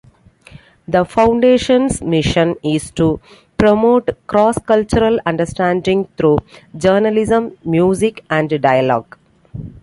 The foundation's mission is to promote cross-cultural understanding through journalism, music, and dialogue.